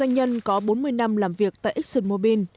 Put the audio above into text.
hai nhân có bốn mươi năm làm việc tại exxonmobil